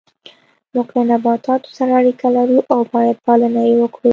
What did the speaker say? موږ له نباتاتو سره اړیکه لرو او باید پالنه یې وکړو